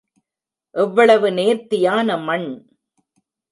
எவ்வளவு நேர்த்தியான மண்?